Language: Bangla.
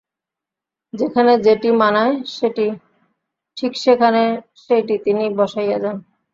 যেখানে যেটি মানায় ঠিক সেখানে সেইটি তিনি বসাইয়া যান।